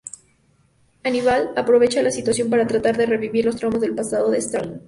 Hannibal aprovecha la situación para tratar de revivir los traumas del pasado de Starling.